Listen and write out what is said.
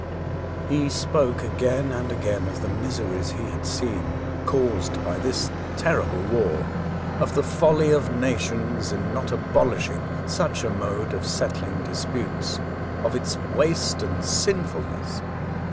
He spoke again and again of the miseries he had seen, caused by this terrible war ; of the folly of nations in not abolishing such a mode of settling disputes ; of its waste and sinfulness.